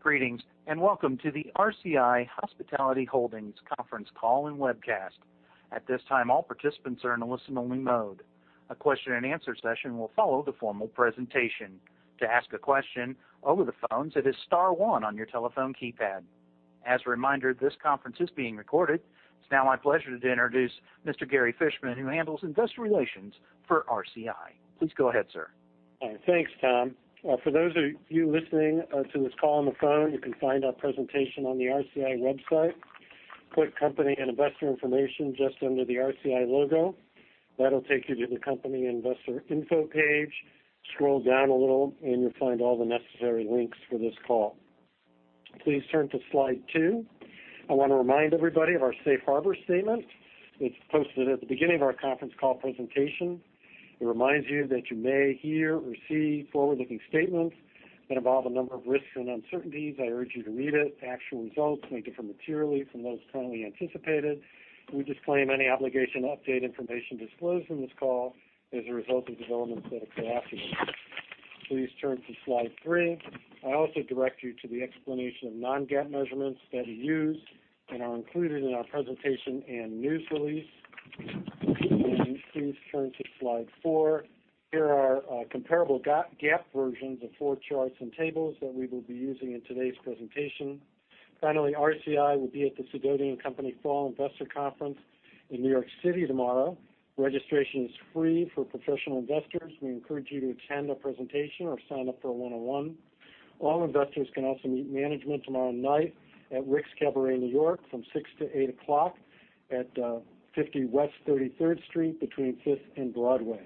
Greetings, and welcome to the RCI Hospitality Holdings conference call and webcast. At this time, all participants are in a listen-only mode. A question and answer session will follow the formal presentation. To ask a question over the phones, it is star 1 on your telephone keypad. As a reminder, this conference is being recorded. It's now my pleasure to introduce Mr. Gary Fishman, who handles investor relations for RCI. Please go ahead, sir. Thanks, Tom. For those of you listening to this call on the phone, you can find our presentation on the RCI website. Click Company and Investor Information just under the RCI logo. That'll take you to the Company Investor Info page. Scroll down a little, and you'll find all the necessary links for this call. Please turn to Slide two. I want to remind everybody of our safe harbor statement. It's posted at the beginning of our conference call presentation. It reminds you that you may hear or see forward-looking statements that involve a number of risks and uncertainties. I urge you to read it. Actual results may differ materially from those currently anticipated. We disclaim any obligation to update information disclosed on this call as a result of developments that occur afterwards. Please turn to Slide three. I also direct you to the explanation of non-GAAP measurements that are used and are included in our presentation and news release. Please turn to Slide 4. Here are comparable GAAP versions of four charts and tables that we will be using in today's presentation. Finally, RCI will be at the Segovia & Co. Fall Investor Conference in New York City tomorrow. Registration is free for professional investors. We encourage you to attend our presentation or sign up for a one-on-one. All investors can also meet management tomorrow night at Rick's Cabaret New York from 6:00 P.M. to 8:00 P.M., at 50 West 33rd Street between 5th and Broadway.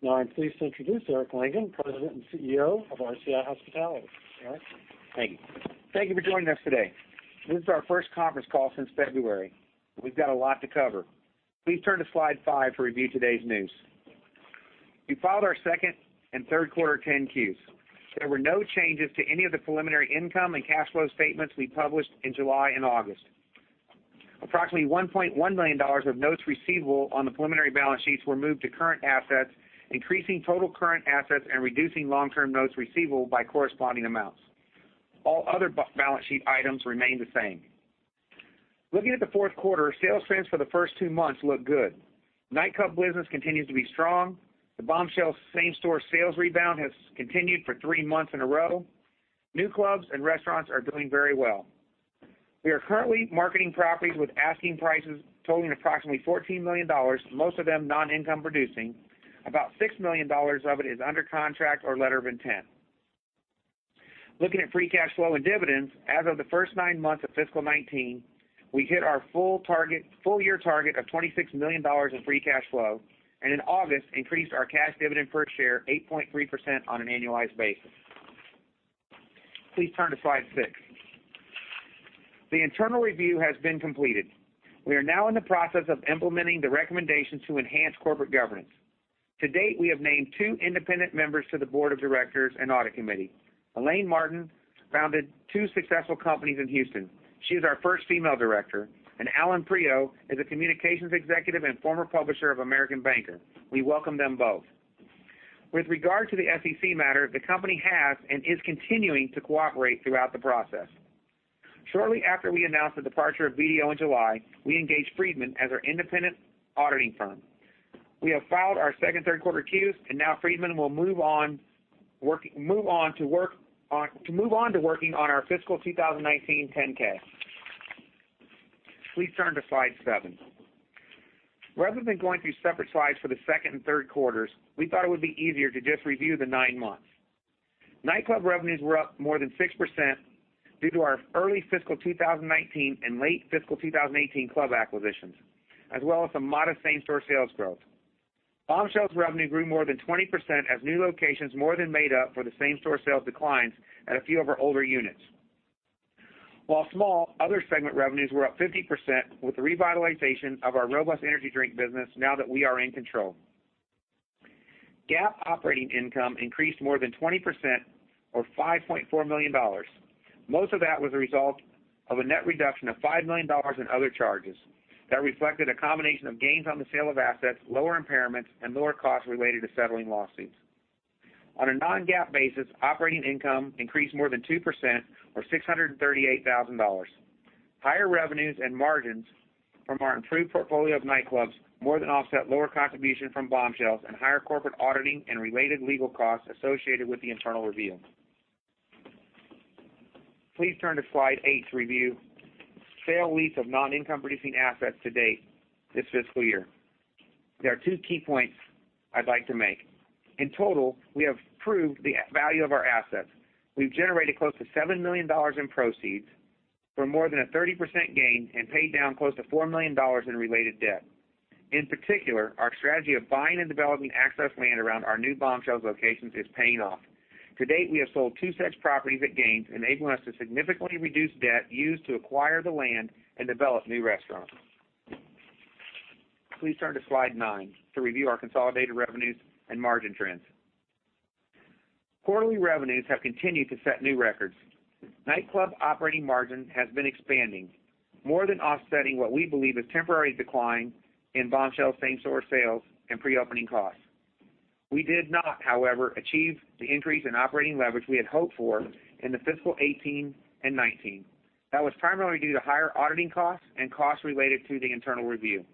Now I'm pleased to introduce Eric Langan, President and CEO of RCI Hospitality. Eric? Thank you. Thank you for joining us today. This is our first conference call since February. We've got a lot to cover. Please turn to Slide 5 to review today's news. We filed our second and third quarter 10-Qs. There were no changes to any of the preliminary income and cash flow statements we published in July and August. Approximately $1.1 million of notes receivable on the preliminary balance sheets were moved to current assets, increasing total current assets and reducing long-term notes receivable by corresponding amounts. All other balance sheet items remain the same. Looking at the fourth quarter, sales trends for the first two months look good. Nightclub business continues to be strong. The Bombshells same-store sales rebound has continued for three months in a row. New clubs and restaurants are doing very well. We are currently marketing properties with asking prices totaling approximately $14 million, most of them non-income producing. About $6 million of it is under contract or letter of intent. Looking at free cash flow and dividends, as of the first nine months of fiscal 2019, we hit our full-year target of $26 million in free cash flow, and in August, increased our cash dividend per share 8.3% on an annualized basis. Please turn to Slide 6. The internal review has been completed. We are now in the process of implementing the recommendations to enhance corporate governance. To date, we have named two independent members to the board of directors and audit committee. Elaine Martin founded two successful companies in Houston. She is our first female director, and Allan Priaulx is a communications executive and former publisher of American Banker. We welcome them both. With regard to the SEC matter, the company has and is continuing to cooperate throughout the process. Shortly after we announced the departure of BDO in July, we engaged Friedman as our independent auditing firm. We have filed our second third quarter Qs, and now Friedman will move on to working on our fiscal 2019 10-K. Please turn to Slide 7. Rather than going through separate slides for the second and third quarters, we thought it would be easier to just review the nine months. Nightclubs revenues were up more than 6% due to our early fiscal 2019 and late fiscal 2018 club acquisitions, as well as some modest same-store sales growth. Bombshells revenue grew more than 20% as new locations more than made up for the same-store sales declines at a few of our older units. While small, other segment revenues were up 50% with the revitalization of our Robust energy drink business now that we are in control. GAAP operating income increased more than 20%, or $5.4 million. Most of that was a result of a net reduction of $5 million in other charges. That reflected a combination of gains on the sale of assets, lower impairments, and lower costs related to settling lawsuits. On a non-GAAP basis, operating income increased more than 2%, or $638,000. Higher revenues and margins from our improved portfolio of Nightclubs more than offset lower contribution from Bombshells and higher corporate auditing and related legal costs associated with the internal review. Please turn to Slide eight to review sale lease of non-income producing assets to date this fiscal year. There are two key points I'd like to make. In total, we have proved the value of our assets. We've generated close to $7 million in proceeds for more than a 30% gain and paid down close to $4 million in related debt. In particular, our strategy of buying and developing excess land around our new Bombshells locations is paying off. To date, we have sold two such properties at gains, enabling us to significantly reduce debt used to acquire the land and develop new restaurants. Please turn to Slide 9 to review our consolidated revenues and margin trends. Quarterly revenues have continued to set new records. Nightclub operating margin has been expanding, more than offsetting what we believe is temporary decline in Bombshells same-store sales and pre-opening costs. We did not, however, achieve the increase in operating leverage we had hoped for in the fiscal 2018 and 2019. That was primarily due to higher auditing costs and costs related to the internal review.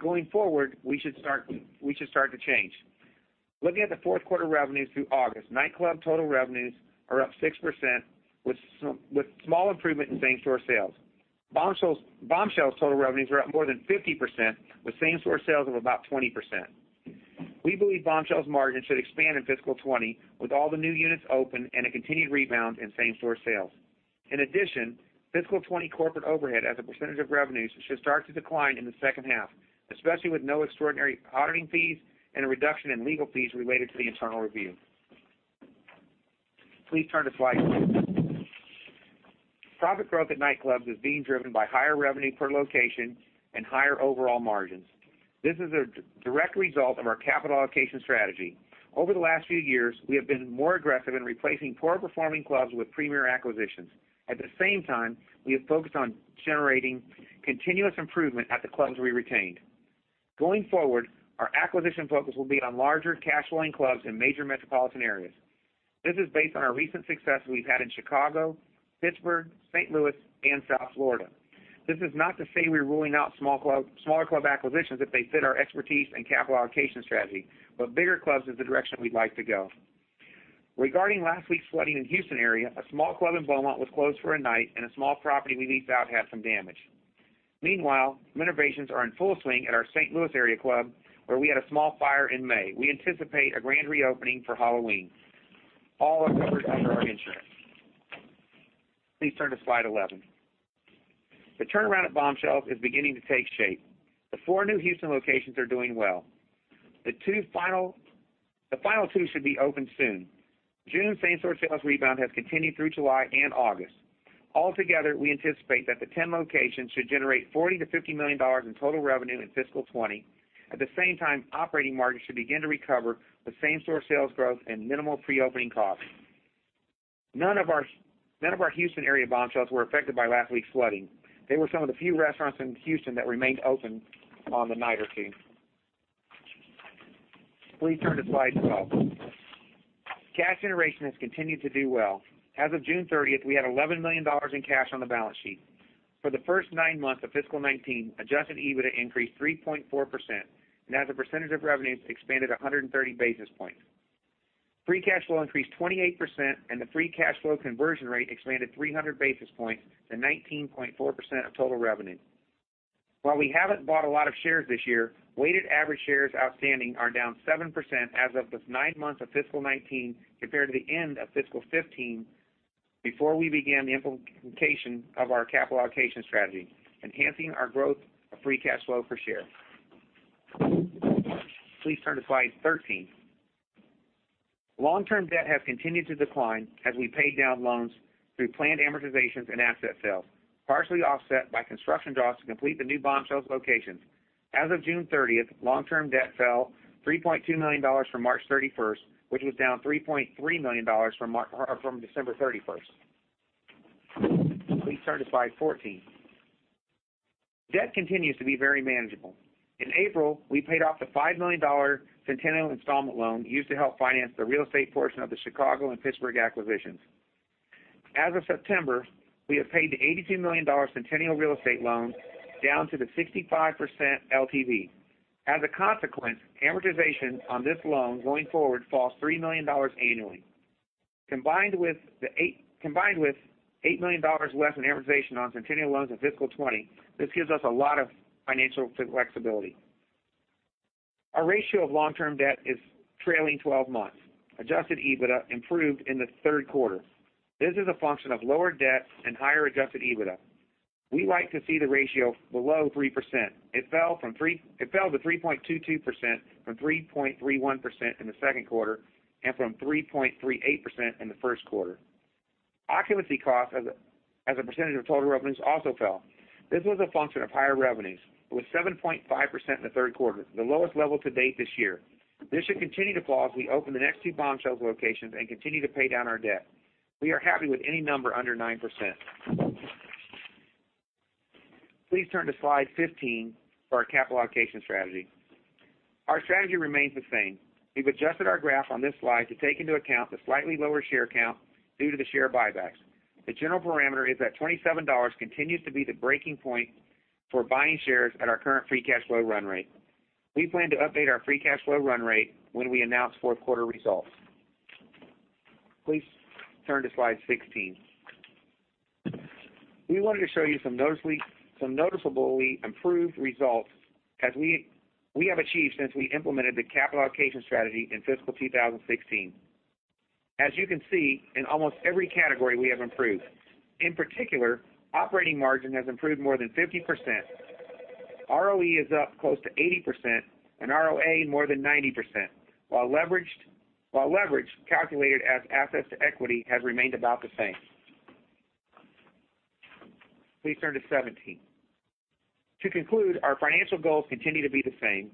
Going forward, we should start to change. Looking at the fourth quarter revenues through August, Nightclubs total revenues are up 6%, with small improvement in same-store sales. Bombshells total revenues are up more than 50%, with same-store sales of about 20%. We believe Bombshells margins should expand in fiscal 2020, with all the new units open and a continued rebound in same-store sales. In addition, fiscal 2020 corporate overhead as a percentage of revenues should start to decline in the second half, especially with no extraordinary auditing fees and a reduction in legal fees related to the internal review. Please turn to slide 10. Profit growth at Nightclubs is being driven by higher revenue per location and higher overall margins. This is a direct result of our capital allocation strategy. Over the last few years, we have been more aggressive in replacing poor-performing clubs with premier acquisitions. At the same time, we have focused on generating continuous improvement at the clubs we retained. Going forward, our acquisition focus will be on larger cash flowing clubs in major metropolitan areas. This is based on our recent success we've had in Chicago, Pittsburgh, St. Louis, and South Florida. This is not to say we're ruling out smaller club acquisitions if they fit our expertise and capital allocation strategy, but bigger clubs is the direction we'd like to go. Regarding last week's flooding in Houston area, a small club in Beaumont was closed for a night, and a small property we leased out had some damage. Meanwhile, renovations are in full swing at our St. Louis area club, where we had a small fire in May. We anticipate a grand reopening for Halloween. All are covered under our insurance. Please turn to slide 11. The turnaround at Bombshells is beginning to take shape. The four new Houston locations are doing well. The final two should be open soon. June same-store sales rebound has continued through July and August. Altogether, we anticipate that the 10 locations should generate $40 million-$50 million in total revenue in fiscal 2020. At the same time, operating margins should begin to recover with same-store sales growth and minimal pre-opening costs. None of our Houston area Bombshells were affected by last week's flooding. They were some of the few restaurants in Houston that remained open on the night or two. Please turn to slide 12. Cash generation has continued to do well. As of June 30th, we had $11 million in cash on the balance sheet. For the first nine months of fiscal 2019, adjusted EBITDA increased 3.4% and as a percentage of revenues, expanded 130 basis points. Free cash flow increased 28%, and the free cash flow conversion rate expanded 300 basis points to 19.4% of total revenue. While we haven't bought a lot of shares this year, weighted average shares outstanding are down 7% as of the nine months of fiscal 2019 compared to the end of fiscal 2015, before we began the implementation of our capital allocation strategy, enhancing our growth of free cash flow per share. Please turn to slide 13. Long-term debt has continued to decline as we pay down loans through planned amortizations and asset sales, partially offset by construction draws to complete the new Bombshells locations. As of June 30th, long-term debt fell $3.2 million from March 31st, which was down $3.3 million from December 31st. Please turn to slide 14. Debt continues to be very manageable. In April, we paid off the $5 million Centennial installment loan used to help finance the real estate portion of the Chicago and Pittsburgh acquisitions. As of September, we have paid the $82 million Centennial Real Estate loan down to the 65% LTV. As a consequence, amortization on this loan going forward falls $3 million annually. Combined with $8 million less in amortization on Centennial loans in fiscal 20, this gives us a lot of financial flexibility. Our ratio of long-term debt is trailing 12 months. Adjusted EBITDA improved in the third quarter. This is a function of lower debt and higher Adjusted EBITDA. We like to see the ratio below 3%. It fell to 3.22% from 3.31% in the second quarter and from 3.38% in the first quarter. Occupancy costs as a % of total revenues also fell. This was a function of higher revenues with 7.5% in the third quarter, the lowest level to date this year. This should continue to fall as we open the next two Bombshells locations and continue to pay down our debt. We are happy with any number under 9%. Please turn to slide 15 for our capital allocation strategy. Our strategy remains the same. We've adjusted our graph on this slide to take into account the slightly lower share count due to the share buybacks. The general parameter is that $27 continues to be the breaking point for buying shares at our current free cash flow run rate. We plan to update our free cash flow run rate when we announce fourth quarter results. Please turn to slide 16. We wanted to show you some noticeably improved results we have achieved since we implemented the capital allocation strategy in fiscal 2016. As you can see, in almost every category, we have improved. In particular, operating margin has improved more than 50%. ROE is up close to 80% and ROA more than 90%, while leverage, calculated as assets to equity, has remained about the same. Please turn to 17. To conclude, our financial goals continue to be the same.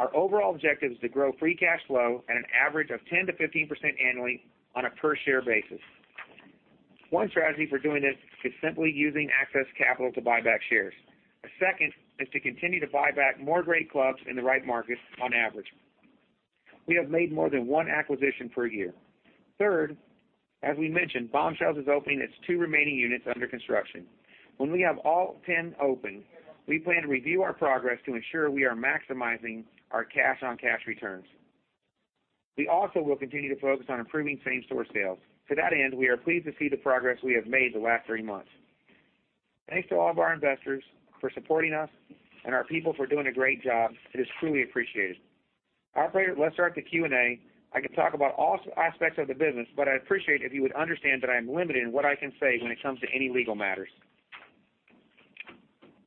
Our overall objective is to grow free cash flow at an average of 10%-15% annually on a per share basis. One strategy for doing this is simply using access capital to buy back shares. The second is to continue to buy back more great clubs in the right markets on average. We have made more than one acquisition per year. Third, as we mentioned, Bombshells is opening its two remaining units under construction. When we have all 10 open, we plan to review our progress to ensure we are maximizing our cash on cash returns. We also will continue to focus on improving same store sales. To that end, we are pleased to see the progress we have made the last three months. Thanks to all of our investors for supporting us and our people for doing a great job. It is truly appreciated. Operator, let's start the Q&A. I can talk about all aspects of the business, but I'd appreciate if you would understand that I'm limited in what I can say when it comes to any legal matters.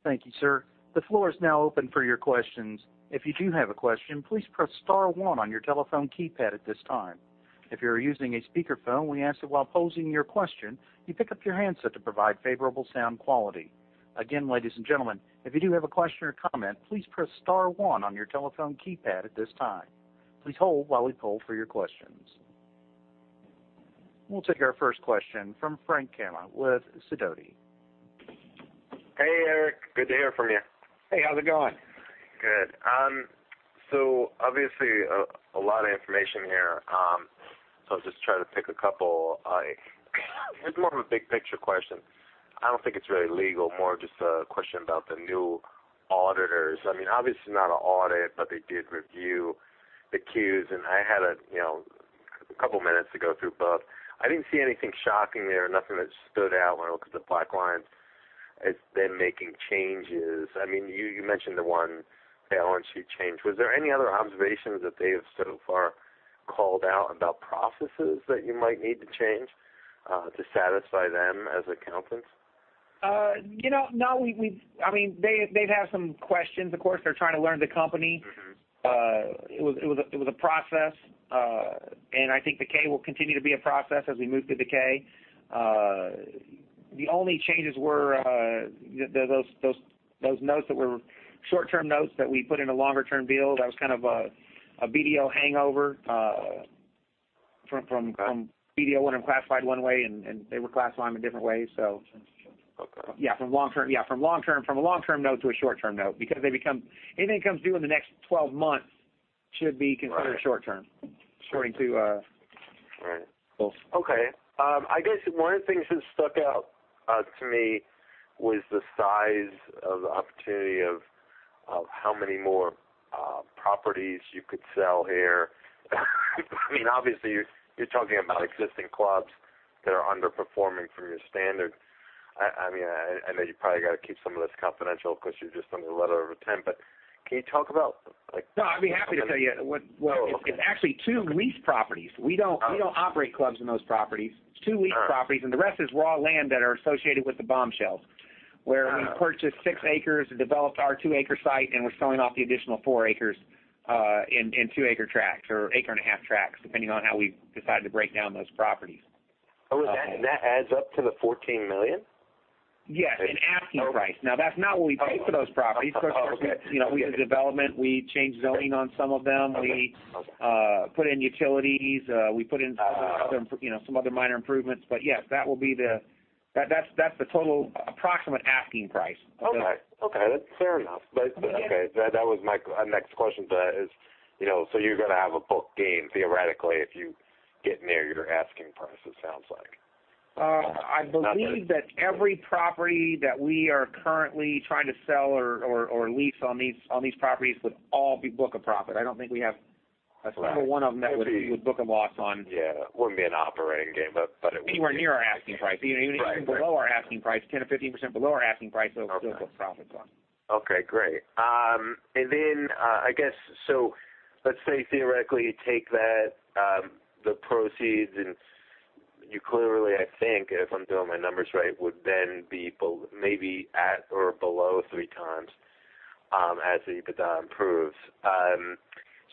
Thank you, sir. The floor is now open for your questions. If you do have a question, please press star one on your telephone keypad at this time. If you're using a speakerphone, we ask that while posing your question, you pick up your handset to provide favorable sound quality. Again, ladies and gentlemen, if you do have a question or comment, please press star one on your telephone keypad at this time. Please hold while we pull for your questions. We'll take our first question from Frank Gampina with Sidoti. Hey, Eric. Good to hear from you. Hey. How's it going? Good. Obviously, a lot of information here, so I'll just try to pick a couple. It's more of a big picture question. I don't think it's really legal, more of just a question about the new auditors. Obviously not an audit, they did review the Qs, and I had a couple minutes to go through both. I didn't see anything shocking there, nothing that stood out when I looked at the black lines as they're making changes. You mentioned the one balance sheet change. Was there any other observations that they have so far called out about processes that you might need to change to satisfy them as accountants? No. They've had some questions, of course. They're trying to learn the company. It was a process, and I think the 10-K will continue to be a process as we move through the 10-K. The only changes were those notes that were short-term notes that we put in a longer term deal. That was kind of a BDO hangover from BDO wanting them classified one way, and they were classifying them a different way. Okay. From a long-term note to a short-term note, because anything that comes due in the next 12 months should be considered short-term. Right. According to- Right both. Okay. I guess one of the things that stuck out to me was the size of the opportunity of how many more properties you could sell here. Obviously you're talking about existing clubs that are underperforming from your standard. I know you probably got to keep some of this confidential because you're just under letter of intent, but can you talk about? No, I'd be happy to tell you. Oh, okay. It's actually two lease properties. We don't operate clubs in those properties. All right. It's two lease properties, and the rest is raw land that are associated with the Bombshells, where we purchased six acres and developed our two-acre site, and we're selling off the additional four acres in two-acre tracts or acre-and-a-half tracts, depending on how we decide to break down those properties. Oh, that adds up to the $14 million? Yes, in asking price. Now, that's not what we paid for those properties. Oh, okay. We did development. We changed zoning on some of them. Okay. We put in utilities. We put in some other minor improvements. Yes, that's the total approximate asking price. Okay. That's fair enough. Okay, that was my next question to that is, you're going to have a book gain, theoretically, if you get near your asking price, it sounds like. I believe that every property that we are currently trying to sell or lease on these properties would all be book a profit. I don't think we have a single one of them that we would book a loss on. Yeah. It wouldn't be an operating gain, but it would be. Anywhere near our asking price. Even below our asking price, 10%-15% below our asking price, it'll still put profits on. Okay. Great. I guess, let's say theoretically you take the proceeds, and you clearly, I think, if I'm doing my numbers right, would then be maybe at or below three times as the EBITDA improves.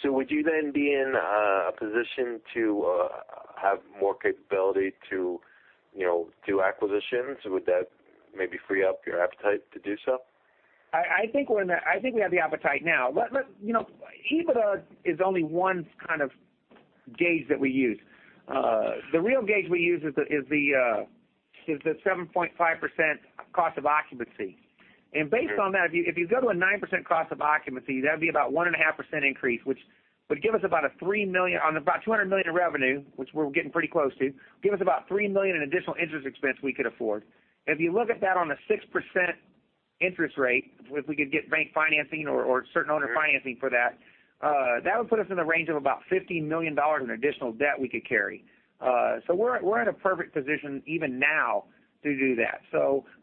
Would you then be in a position to have more capability to do acquisitions? Would that maybe free up your appetite to do so? I think we have the appetite now. EBITDA is only one kind of gauge that we use. The real gauge we use is the 7.5% cost of occupancy. Based on that, if you go to a 9% cost of occupancy, that'd be about 1.5% increase, which would give us about $3 million on about $200 million in revenue, which we're getting pretty close to, give us about $3 million in additional interest expense we could afford. If you look at that on a 6% interest rate, if we could get bank financing or certain owner financing for that would put us in the range of about $15 million in additional debt we could carry. We're in a perfect position even now to do that.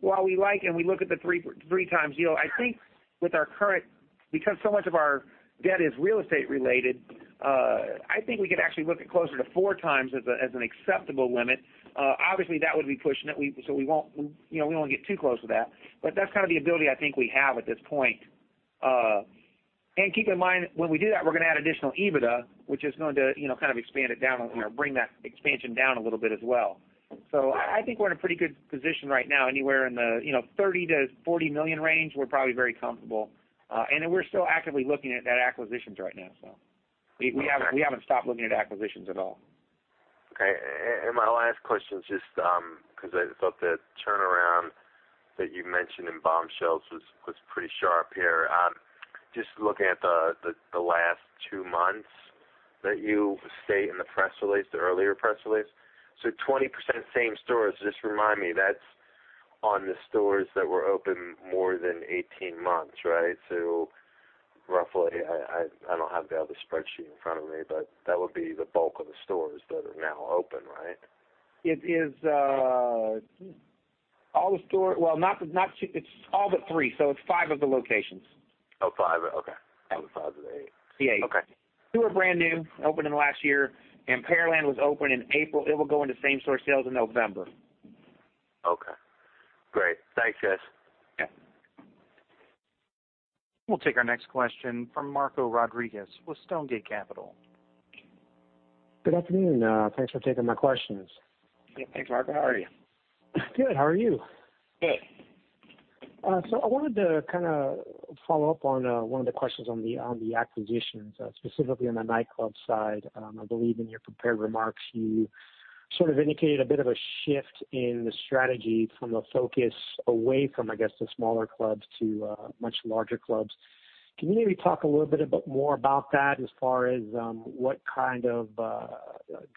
While we like and we look at the 3 times yield, I think with our current, because so much of our debt is real estate related, I think we could actually look at closer to 4 times as an acceptable limit. Obviously, that would be pushing it, so we won't get too close with that. That's kind of the ability I think we have at this point. Keep in mind, when we do that, we're going to add additional EBITDA, which is going to kind of expand it down or bring that expansion down a little bit as well. I think we're in a pretty good position right now, anywhere in the $30 million-$40 million range, we're probably very comfortable. We're still actively looking at that acquisitions right now. We haven't stopped looking at acquisitions at all. Okay. My last question is just because I thought the turnaround that you mentioned in Bombshells was pretty sharp here. Just looking at the last two months that you state in the press release, the earlier press release. 20% same stores, just remind me, that's on the stores that were open more than 18 months, right? Roughly, I don't have the other spreadsheet in front of me, but that would be the bulk of the stores that are now open, right? It's all but three. It's five of the locations. Oh, five. Okay. Five of the eight. The eight. Okay. Two are brand new, opened in the last year, and Pearland was opened in April. It will go into same store sales in November. Okay, great. Thanks, Guys. Yeah. We'll take our next question from Marco Rodriguez with Stonegate Capital. Good afternoon. Thanks for taking my questions. Hey, Marco, how are you? Good. How are you? Good. I wanted to kind of follow up on one of the questions on the acquisitions, specifically on the nightclub side. I believe in your prepared remarks, you sort of indicated a bit of a shift in the strategy from a focus away from, I guess, the smaller clubs to much larger clubs. Can you maybe talk a little bit more about that as far as what kind of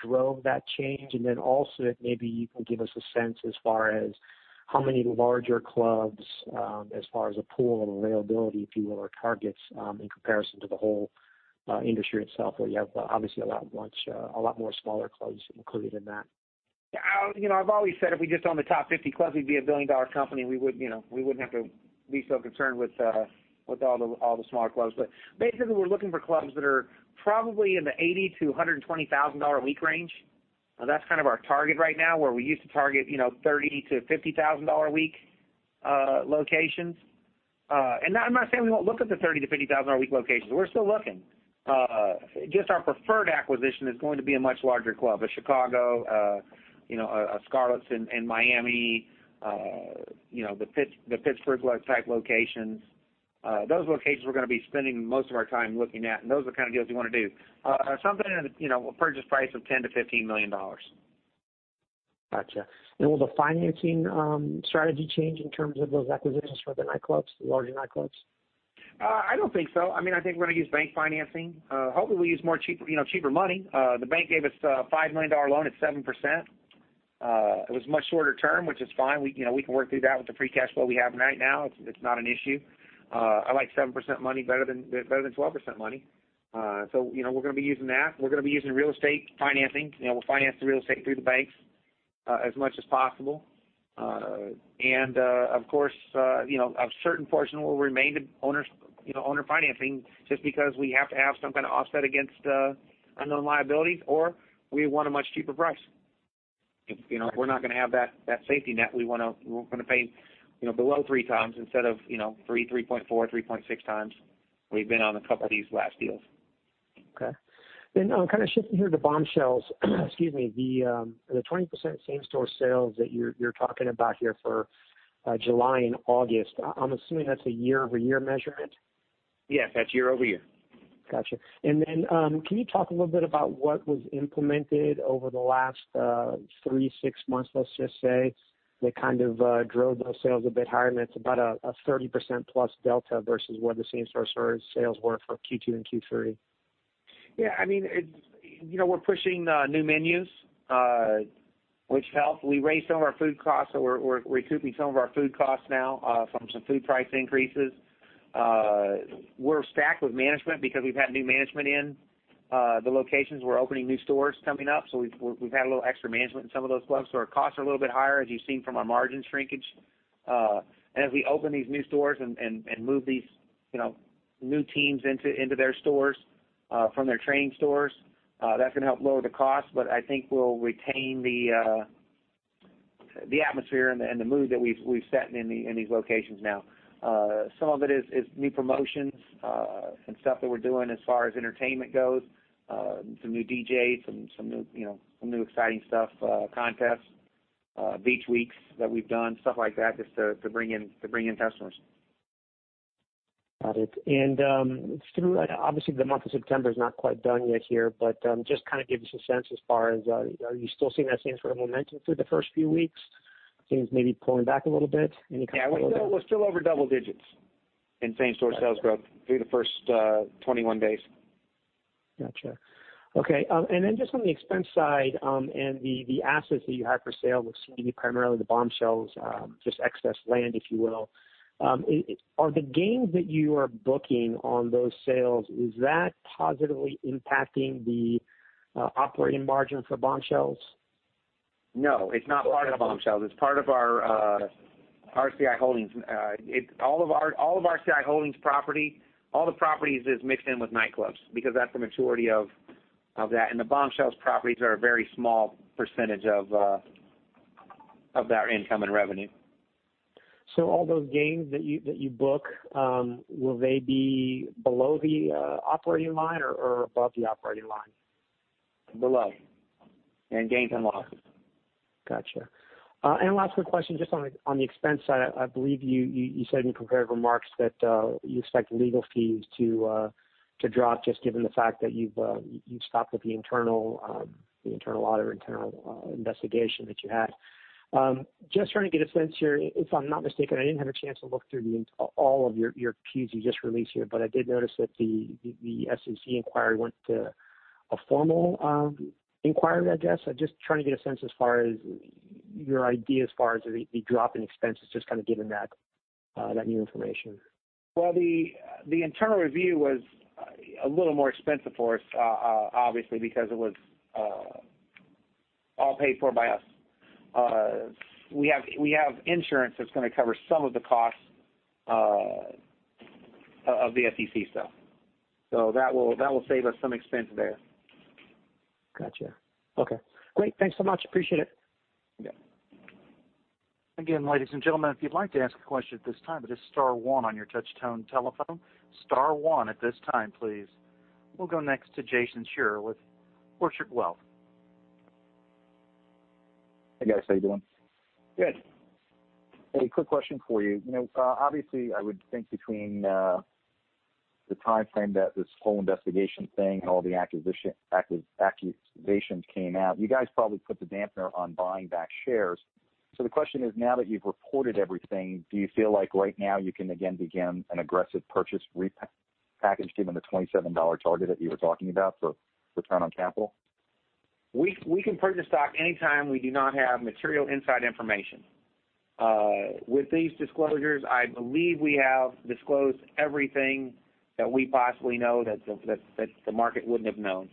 drove that change? If maybe you can give us a sense as far as how many larger clubs, as far as a pool of availability, if you will, or targets in comparison to the whole industry itself, where you have obviously a lot more smaller clubs included in that. Yeah. I've always said if we just own the top 50 clubs, we'd be a billion-dollar company, and we wouldn't have to be so concerned with all the smaller clubs. Basically, we're looking for clubs that are probably in the $80,000-$120,000 a week range. That's kind of our target right now, where we used to target $30,000-$50,000 a week locations. I'm not saying we won't look at the $30,000-$50,000 a week locations. We're still looking. Just our preferred acquisition is going to be a much larger club, a Chicago, a Scarlett's in Miami, the Pittsburgh-like type locations. Those locations we're going to be spending most of our time looking at, and those are the kind of deals we want to do. Something in the purchase price of $10 million-$15 million. Got you. Will the financing strategy change in terms of those acquisitions for the nightclubs, the larger nightclubs? I don't think so. I think we're going to use bank financing. Hopefully, we use cheaper money. The bank gave us a $5 million loan at 7%. It was much shorter term, which is fine. We can work through that with the free cash flow we have right now. It's not an issue. I like 7% money better than 12% money. We're going to be using that. We're going to be using real estate financing. We'll finance the real estate through the banks as much as possible. Of course, a certain portion will remain to owner financing, just because we have to have some kind of offset against unknown liabilities, or we want a much cheaper price. If we're not going to have that safety net, we want to pay below three times instead of 3.4, 3.6 times we've been on a couple of these last deals. Okay. Kind of shifting here to Bombshells. Excuse me. The 20% same store sales that you're talking about here for July and August, I'm assuming that's a year-over-year measurement? Yes, that's year-over-year. Got you. Can you talk a little bit about what was implemented over the last three, six months, let's just say, that kind of drove those sales a bit higher, and that's about a 30% plus delta versus what the same store sales were for Q2 and Q3. Yeah, we're pushing new menus, which helps. We raised some of our food costs. We're recouping some of our food costs now from some food price increases. We're stacked with management because we've had new management in the locations. We're opening new stores coming up. We've had a little extra management in some of those clubs. Our costs are a little bit higher, as you've seen from our margin shrinkage. As we open these new stores and move these new teams into their stores from their training stores, that's going to help lower the cost, but I think we'll retain the atmosphere and the mood that we've set in these locations now. Some of it is new promotions and stuff that we're doing as far as entertainment goes. Some new DJs, some new exciting stuff, contests, beach weeks that we've done, stuff like that, just to bring in customers. Got it. Obviously the month of September is not quite done yet here, but just kind of give us a sense as far as, are you still seeing that same sort of momentum through the first few weeks? Things maybe pulling back a little bit? Yeah, we're still over double digits in same store sales growth through the first 21 days. Got you. Okay, just on the expense side and the assets that you have for sale, which seem to be primarily the Bombshells, just excess land, if you will. Are the gains that you are booking on those sales, is that positively impacting the operating margin for Bombshells? No, it's not part of Bombshells. It's part of our RCI Holdings. All of RCI Holdings property, all the properties is mixed in with Nightclubs, because that's the majority of that. The Bombshells properties are a very small percentage of our income and revenue. All those gains that you book, will they be below the operating line or above the operating line? Below. In gains and losses. Gotcha. Last quick question, just on the expense side, I believe you said in prepared remarks that you expect legal fees to drop just given the fact that you've stopped with the internal audit or internal investigation that you had. Just trying to get a sense here, if I'm not mistaken, I didn't have a chance to look through all of your Qs you just released here, but I did notice that the SEC inquiry went to a formal inquiry, I guess. I'm just trying to get a sense as far as your idea as far as the drop in expenses, just kind of given that new information. The internal review was a little more expensive for us, obviously, because it was all paid for by us. We have insurance that's going to cover some of the costs of the SEC stuff. That will save us some expense there. Gotcha. Okay. Great. Thanks so much. Appreciate it. Yeah. Again, ladies and gentlemen, if you'd like to ask a question at this time, it is star one on your touch-tone telephone. Star one at this time, please. We'll go next to Jason Star with Orchard Wealth. Hey, guys. How you doing? Good. Hey, quick question for you. Obviously, I would think between the timeframe that this whole investigation thing and all the accusations came out, you guys probably put the dampener on buying back shares. The question is, now that you've reported everything, do you feel like right now you can again begin an aggressive purchase repackage given the $27 target that you were talking about for return on capital? We can purchase stock anytime we do not have material inside information. With these disclosures, I believe we have disclosed everything that we possibly know that the market wouldn't have known.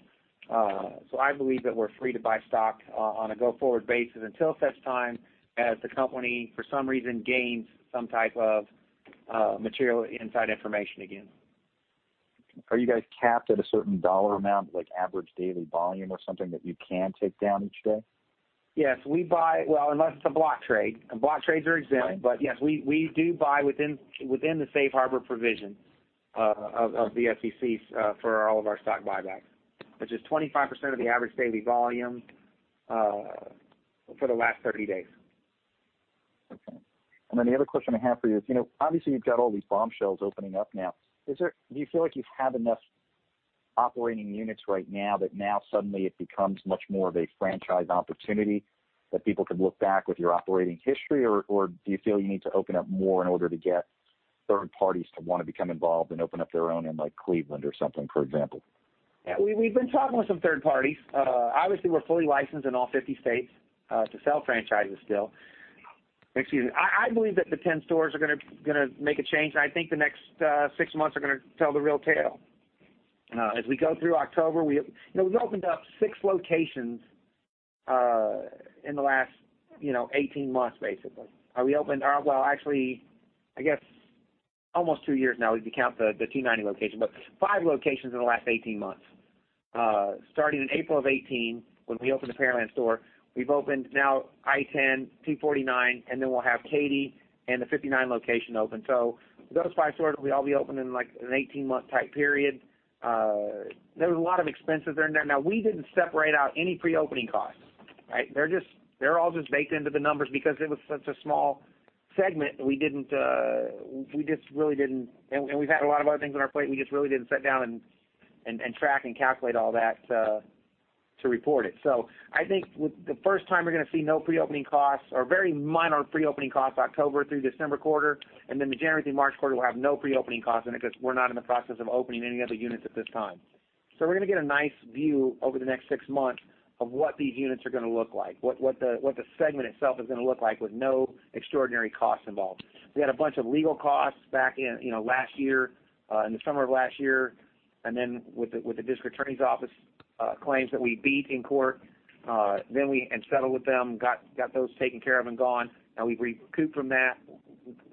I believe that we're free to buy stock on a go-forward basis until such time as the company, for some reason, gains some type of material inside information again. Are you guys capped at a certain dollar amount, like average daily volume or something that you can take down each day? Yes. We buy Well, unless it's a block trade. Block trades are exempt. Right. Yes, we do buy within the safe harbor provision of the SEC for all of our stock buybacks, which is 25% of the average daily volume for the last 30 days. Okay. The other question I have for you is, obviously you've got all these Bombshells opening up now. Do you feel like you have enough operating units right now that now suddenly it becomes much more of a franchise opportunity that people can look back with your operating history? Do you feel you need to open up more in order to get third parties to want to become involved and open up their own in like Cleveland or something, for example? Yeah. We've been talking with some third parties. Obviously, we're fully licensed in all 50 states to sell franchises still. Excuse me. I believe that the 10 stores are going to make a change, and I think the next six months are going to tell the real tale. As we go through October, we've opened up six locations in the last 18 months, basically. We opened almost two years now if you count the T 90 location, but five locations in the last 18 months. Starting in April of 2018, when we opened the Pearland store, we've opened now I-10, 249, and then we'll have Katy and the 59 location open. Those five stores will all be open in an 18-month type period. There was a lot of expenses in there. Now, we didn't separate out any pre-opening costs. They're all just baked into the numbers because it was such a small segment, and we've had a lot of other things on our plate, we just really didn't sit down and track and calculate all that to report it. I think the first time we're going to see no pre-opening costs or very minor pre-opening costs October through December quarter, and then the January through March quarter will have no pre-opening costs in it because we're not in the process of opening any other units at this time. We're going to get a nice view over the next six months of what these units are going to look like, what the segment itself is going to look like with no extraordinary costs involved. We had a bunch of legal costs back in last year, in the summer of last year, and then with the district attorney's office claims that we beat in court, and settled with them, got those taken care of and gone. Now we've recouped from that.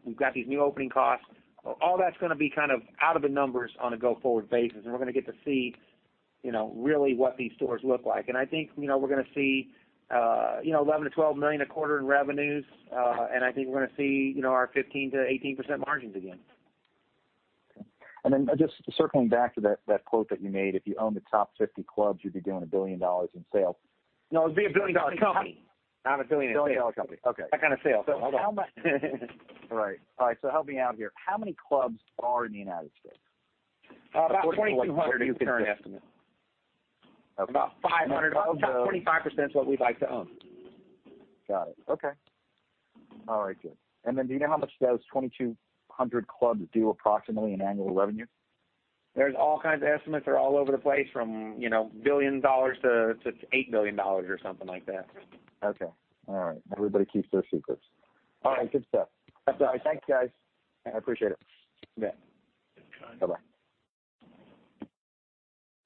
We've got these new opening costs. All that's going to be kind of out of the numbers on a go-forward basis, and we're going to get to see really what these stores look like. I think we're going to see $11 million-$12 million a quarter in revenues, and I think we're going to see our 15%-18% margins again. Okay. Just circling back to that quote that you made, if you own the top 50 clubs, you'd be doing $1 billion in sales. No, it would be a billion-dollar company, not $1 billion in sales. A billion-dollar company. Okay. That kind of sales. Right. All right. Help me out here. How many clubs are in the United States? About $2,200. What's your current estimate? About 500. About 25% is what we'd like to own. Got it. Okay. All right, good. Do you know how much those 2,200 clubs do approximately in annual revenue? There's all kinds of estimates. They're all over the place from $1 billion-$8 billion or something like that. Okay. All right. Everybody keeps their secrets. All right. Good stuff. That's all right. Thanks, guys. I appreciate it. You bet.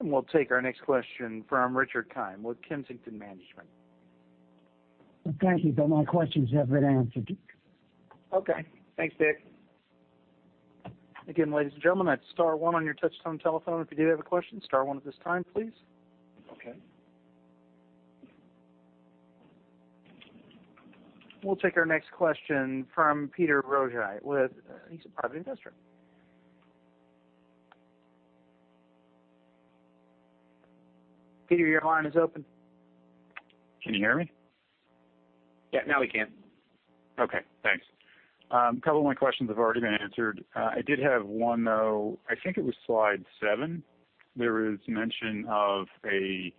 Thanks, guys. Bye-bye. We'll take our next question from Richard Keim with Kensington Management. Thank you, but my questions have been answered. Okay. Thanks, Dick. Again, ladies and gentlemen, hit star one on your touch-tone telephone if you do have a question. Star one at this time, please. Okay. We'll take our next question from Peter Hogan with, I think he's a private investor. Peter, your line is open. Can you hear me? Yeah, now we can. Okay, thanks. A couple of my questions have already been answered. I did have one, though. I think it was slide seven. There was mention of a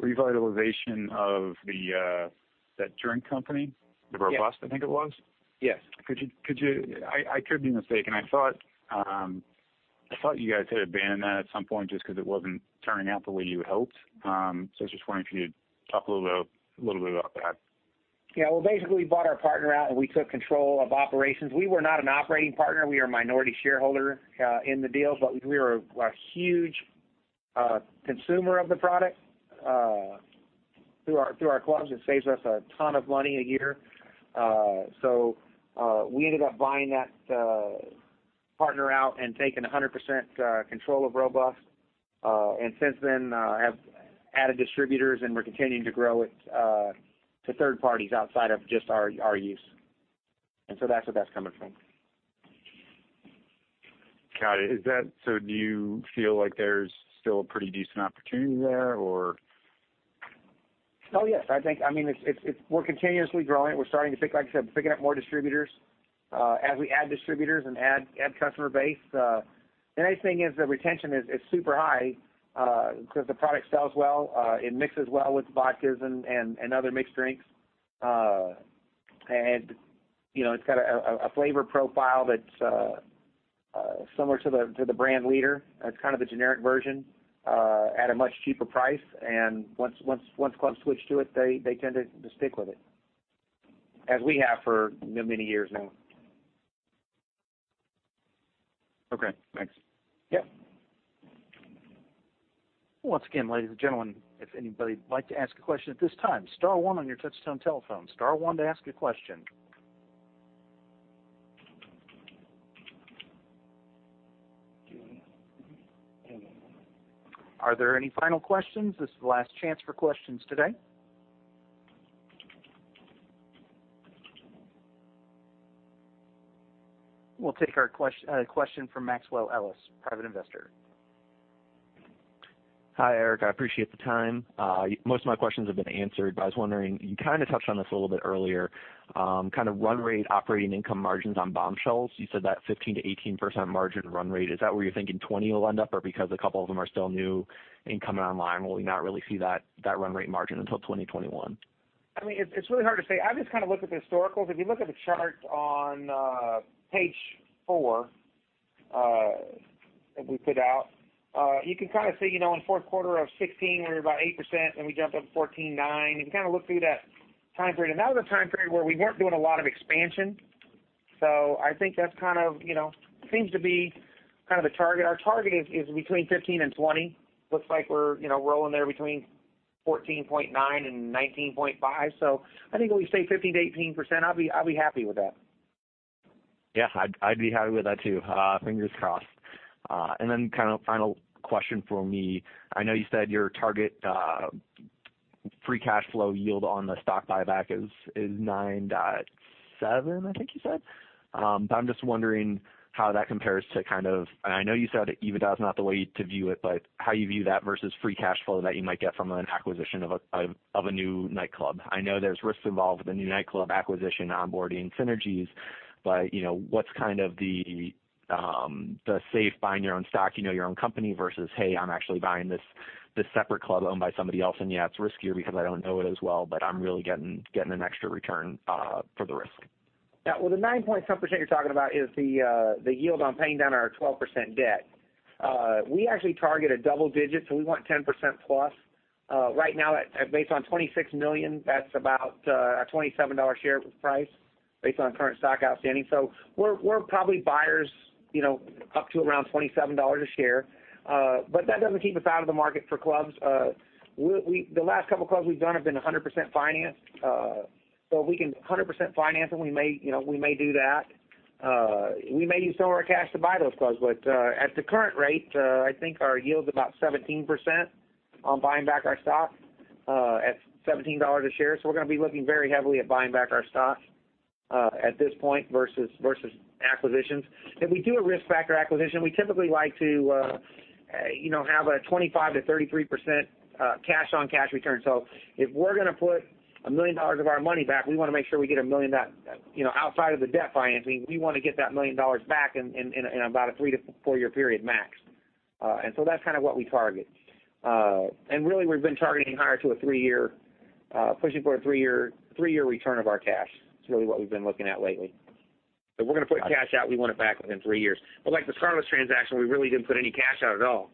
revitalization of that drink company. Yes. The Robust, I think it was. Yes. I could be mistaken. I thought you guys had abandoned that at some point just because it wasn't turning out the way you had hoped. I just wondering if you'd talk a little bit about that. Yeah. Well, basically, we bought our partner out, we took control of operations. We were not an operating partner. We are a minority shareholder in the deals, we were a huge consumer of the product through our clubs. It saves us a ton of money a year. We ended up buying that partner out and taking 100% control of Robust. Since then, have added distributors, we're continuing to grow it to third parties outside of just our use. That's where that's coming from. Got it. Do you feel like there's still a pretty decent opportunity there or? Oh, yes. We're continuously growing. We're starting to, like I said, picking up more distributors. As we add distributors and add customer base, the nice thing is that retention is super high, because the product sells well. It mixes well with vodkas and other mixed drinks. It's got a flavor profile that's similar to the brand leader. It's kind of the generic version at a much cheaper price. Once clubs switch to it, they tend to stick with it, as we have for many years now. Okay, thanks. Yeah. Once again, ladies and gentlemen, if anybody would like to ask a question at this time, star one on your touchtone telephone. Star one to ask a question. Are there any final questions? This is the last chance for questions today. We'll take a question from Maxwell Hollis, private investor. Hi, Eric. I appreciate the time. Most of my questions have been answered, but I was wondering, you kind of touched on this a little bit earlier, kind of run rate operating income margins on Bombshells. You said that 15%-18% margin run rate. Is that where you're thinking 20% will end up? Or because a couple of them are still new and coming online, will we not really see that run rate margin until 2021? It's really hard to say. I just look at the historicals. If you look at the chart on page four that we put out, you can see in the fourth quarter of 2016, we were about 8%, and we jumped up to 14.9%. You can look through that time period, and that was a time period where we weren't doing a lot of expansion. I think that seems to be kind of the target. Our target is between 15% and 20%. Looks like we're rolling there between 14.9% and 19.5%. I think if we stay 15%-18%, I'll be happy with that. Yeah, I'd be happy with that, too. Fingers crossed. Final question from me. I know you said your target free cash flow yield on the stock buyback is 9.7%, I think you said. I'm just wondering how that compares to kind of And I know you said that EBITDA is not the way to view it, but how you view that versus free cash flow that you might get from an acquisition of a new nightclub. I know there's risks involved with a new nightclub acquisition, onboarding synergies, but what's kind of the safe buying your own stock, you know your own company versus, Hey, I'm actually buying this separate club owned by somebody else, and yeah, it's riskier because I don't know it as well, but I'm really getting an extra return for the risk. Yeah. Well, the nine point something percent you're talking about is the yield on paying down our 12% debt. We actually target a double-digit, so we want 10% plus. Right now, based on $26 million, that's about a $27 share price based on current stock outstanding. We're probably buyers up to around $27 a share. That doesn't keep us out of the market for clubs. The last couple clubs we've done have been 100% financed. If we can 100% finance them, we may do that. We may use some of our cash to buy those clubs. At the current rate, I think our yield's about 17% on buying back our stock at $17 a share. We're going to be looking very heavily at buying back our stock at this point versus acquisitions. If we do a risk factor acquisition, we typically like to have a 25%-33% cash on cash return. If we're going to put $1 million of our money back, we want to make sure we get $1 million, outside of the debt financing, we want to get that $1 million back in about a three to four-year period max. That's what we target. Really, we've been targeting higher to a three-year, pushing for a three-year return of our cash. That's really what we've been looking at lately. If we're going to put cash out, we want it back within three years. Like the [Carlos transaction, we really didn't put any cash out at all.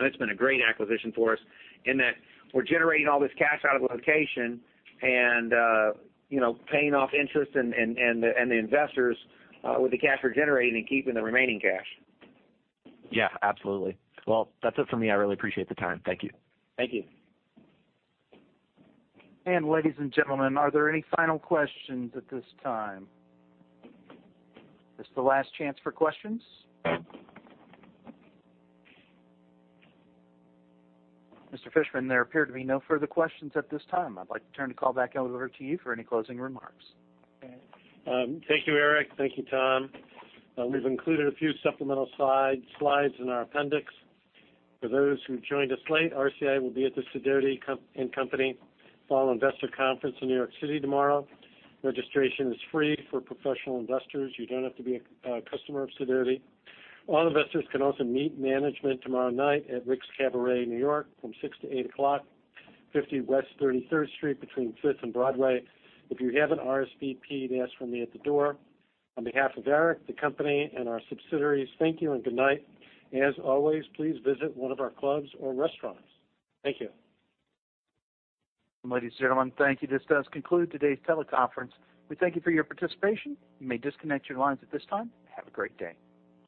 It's been a great acquisition for us in that we're generating all this cash out of the location and paying off interest and the investors with the cash we're generating and keeping the remaining cash. Yeah, absolutely. Well, that's it for me. I really appreciate the time. Thank you. Thank you. Ladies and gentlemen, are there any final questions at this time? This is the last chance for questions. Mr. Fishman, there appear to be no further questions at this time. I'd like to turn the call back over to you for any closing remarks. Thank you, Eric. Thank you, Tom. We've included a few supplemental slides in our appendix. For those who joined us late, RCI will be at the Sidoti & Company Fall Investor Conference in New York City tomorrow. Registration is free for professional investors. You don't have to be a customer of Sidoti. All investors can also meet management tomorrow night at Rick's Cabaret New York from 6:00 P.M. to 8:00 P.M., 50 West 33rd Street between Fifth and Broadway. If you have an RSVP, they ask for me at the door. On behalf of Eric, the company, and our subsidiaries, thank you and good night. As always, please visit one of our clubs or restaurants. Thank you. Ladies and gentlemen, thank you. This does conclude today's teleconference. We thank you for your participation. You may disconnect your lines at this time. Have a great day.